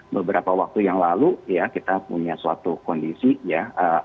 beberapa waktu yang lalu ya kita punya suatu kondisi ya